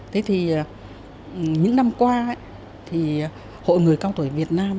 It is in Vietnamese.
thế thì những năm qua thì hội người cao tuổi việt nam